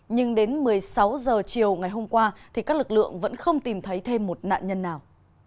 nhưng đến một mươi sáu h chiều ngày hôm qua thì các lực lượng vẫn không tìm thấy thêm một nạn nhân nào